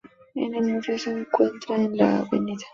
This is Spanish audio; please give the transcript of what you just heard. El museo se encuentra en la Av.